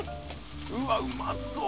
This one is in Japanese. うわっうまそう！